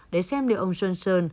để xem liệu ông johnson